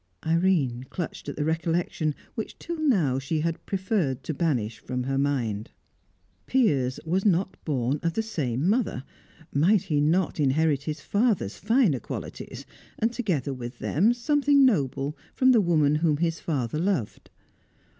Irene clutched at the recollection which till now she had preferred to banish from her mind. Piers was not born of the same mother, might he not inherit his father's finer qualities, and, together with them, something noble from the woman whom his father loved?